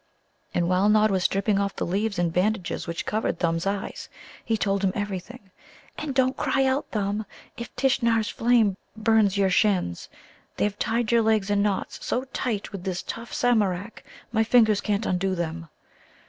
And while Nod was stripping off the leaves and bandages which covered Thumb's eyes he told him everything. "And don't cry out, Thumb, if Tishnar's flame burns your shins. They've tied your legs in knots so tight with this tough Samarak, my fingers can't undo them."